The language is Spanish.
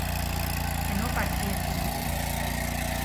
que no partiésemos